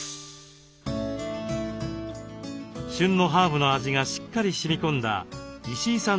旬のハーブの味がしっかりしみ込んだ石井さん